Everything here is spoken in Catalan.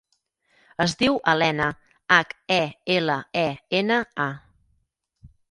Es diu Helena: hac, e, ela, e, ena, a.